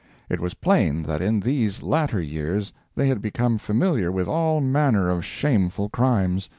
It was plain that in these latter years they had become familiar with all manner of shameful crimes.